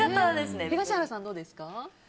東原さんはどうですか？